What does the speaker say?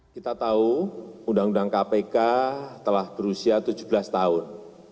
kita tahu undang undang kpk telah berusia tujuh belas tahun